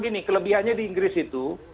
gini kelebihannya di inggris itu